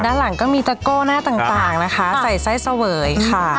ด้านหลังก็มีตะโก้หน้าต่างนะคะใส่ไส้เสวยค่ะ